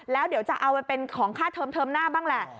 แล้วเดี๋ยวจะเอาไปเป็นของค่าเทอมเทอมหน้าบ้างแหละ